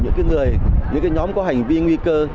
những người những nhóm có hành vi nguy cơ